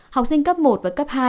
học sinh cấp một và cấp hai